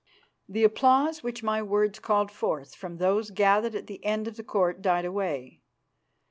The applause which my words called forth from those gathered at the end of the Court died away.